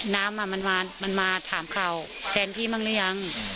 น้ำมันมาถามข่าวแฟนพี่บ้างหรือยัง